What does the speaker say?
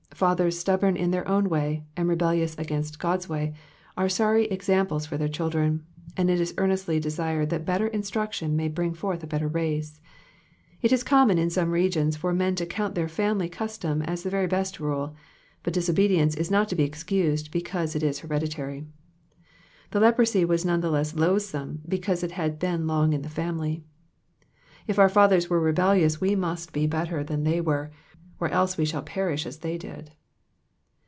Fathers stubborn in their own way, and rebellious against God's way, are sorry examples for their children ; and it is earnestly desired that better instruction may bring forth a better race. It is common in some regions for men to count their family custom as the very best rule ; but disobedience is not to be excused because it is hereditary. The leprosy was none the less loathsome because it had been long in the family. If oar fathers were rebellious we must be better than they were, or else we shall perish as they did.